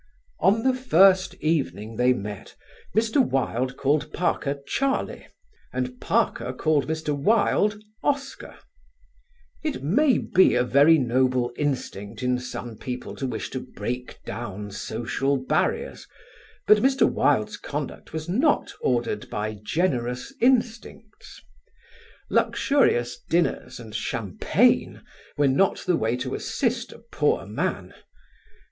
On the first evening they met, Mr. Wilde called Parker "Charlie" and Parker called Mr. Wilde "Oscar." It may be a very noble instinct in some people to wish to break down social barriers, but Mr. Wilde's conduct was not ordered by generous instincts. Luxurious dinners and champagne were not the way to assist a poor man.